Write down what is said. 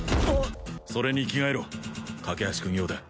それに着替えろ架橋君用だ